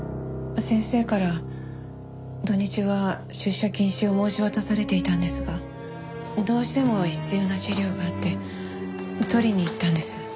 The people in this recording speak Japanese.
先生から土日は出社禁止を申し渡されていたんですがどうしても必要な資料があって取りに行ったんです。